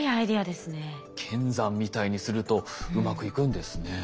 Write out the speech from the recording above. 剣山みたいにするとうまくいくんですね。